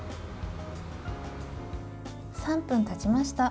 ３分たちました。